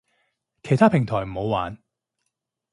其他平台唔好玩